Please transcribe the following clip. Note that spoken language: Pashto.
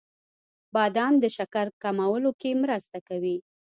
• بادام د شکر کمولو کې مرسته کوي.